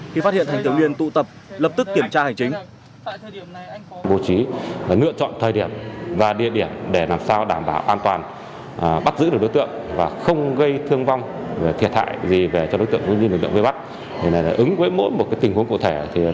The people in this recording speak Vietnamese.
khi phát hiện hành tướng liên tụ tập lập tức kiểm tra hành chính